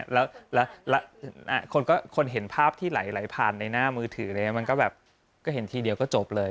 แล้วคนเห็นภาพที่ไหลผ่านในหน้ามือถือมันก็แบบก็เห็นทีเดียวก็จบเลย